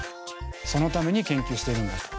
そのために研究してるんだと。